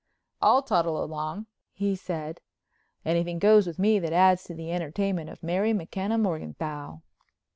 "I'll toddle along," he said. "Anything goes with me that adds to the entertainment of Mary McKenna Morganthau."